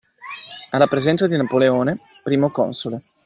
Alla presenza di Napoleone Primo Console